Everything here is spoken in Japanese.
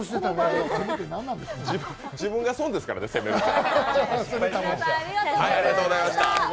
自分が損ですからね、攻めると。